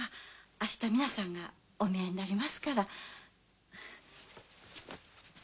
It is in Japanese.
明日皆さんがお見えになりますから。